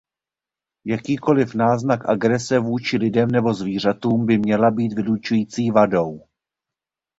Jakýkoliv náznak agrese vůči lidem nebo zvířatům by měla být vylučující vadou.